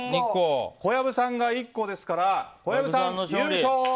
小籔さんが１個ですから小籔さん、優勝！